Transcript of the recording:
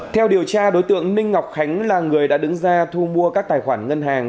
theo điều tra đối tượng ninh ngọc khánh là người đã đứng ra thu mua các tài khoản ngân hàng